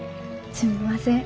すみません。